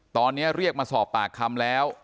ตอนนี้เรียกมาสอบปากคำแล้ว